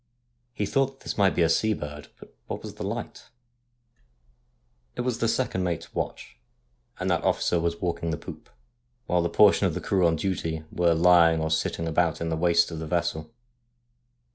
He thought that this might be a sea bird, but what was the light ? It was the second mate's watch, and that officer was walking the poop, while the portion of the crew on duty were lying or sitting about in the waist of the vessel.